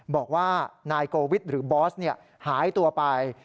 บอกว่านายโกวิทย์หรือบอสหายตัวไป